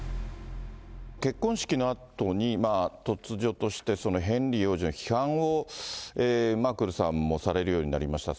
結婚式のあとに、突如としてヘンリー王子の批判をマークルさんもされるようになりました。